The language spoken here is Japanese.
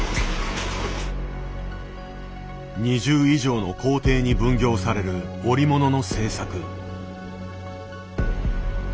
２０以上の工程に分業される織物の製作。